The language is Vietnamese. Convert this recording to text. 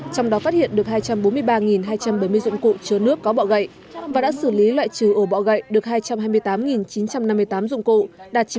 trong đó phát hiện được hai trăm bốn mươi ba hai trăm bảy mươi dụng cụ chứa nước có bọ gậy và đã xử lý loại trừ ổ bọ gậy được hai trăm hai mươi tám chín trăm năm mươi tám dụng cụ đạt chín mươi chín